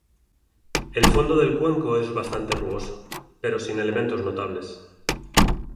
El fondo del cuenco es bastante rugoso, pero sin elementos notables.